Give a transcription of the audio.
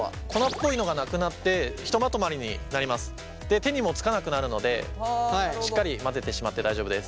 手にもつかなくなるのでしっかり混ぜてしまって大丈夫です。